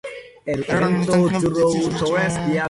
Labor was an influential music teacher.